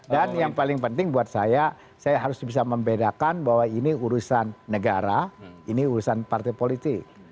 dan yang paling penting buat saya saya harus bisa membedakan bahwa ini urusan negara ini urusan partai politik